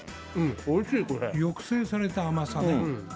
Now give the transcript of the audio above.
抑制された甘さね。